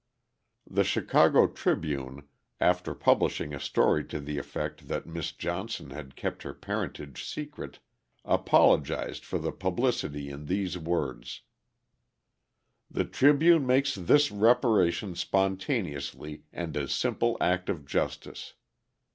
The Chicago Tribune, after publishing a story to the effect that Miss Johnson had kept her parentage secret apologised for the publicity in these words: The Tribune makes this reparation spontaneously and as a simple act of justice.